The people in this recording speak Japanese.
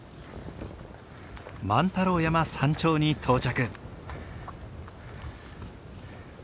万太郎山山頂に到着。